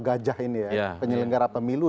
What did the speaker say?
gajah ini ya penyelenggara pemilu